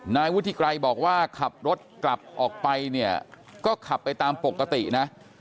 นายวุฒิไกรบอกว่าขับรถกลับออกไปเนี่ยก็ขับไปตามปกตินะ